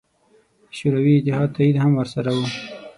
د شوروي اتحاد تایید هم ورسره و.